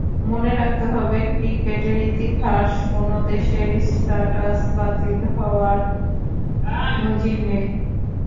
মনে রাখতে হবে, ক্রিকেটের ইতিহাসে কোনো দেশের স্ট্যাটাস বাতিল হওয়ার নজির নেই।